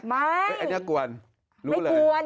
ไม่ไม่กวน